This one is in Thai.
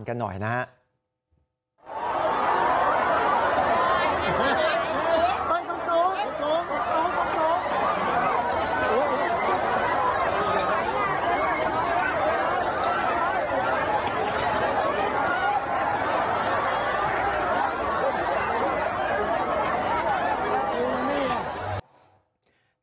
กันหน่อยนะฮะ